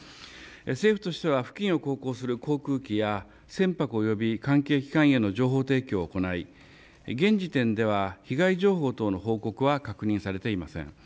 政府としては付近を航行する航空機や船舶および関係機関への情報提供を行い現時点では被害情報の報告は確認されていません。